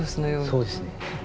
そうですね。